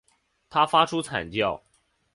他发出惨叫